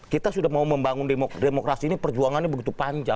kita sudah mau membangun demokrasi ini perjuangannya bukan untuk membangun demokrasi